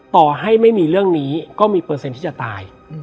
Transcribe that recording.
ต่อให้ไม่มีเรื่องนี้ก็มีเปอร์เซ็นต์ที่จะตาย